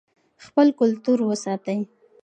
خپل کلتور وساتئ.